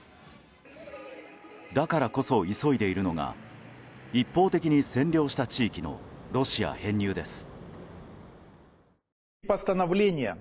だからこそ、急いでいるのが一方的に占領した地域のロシア編入です。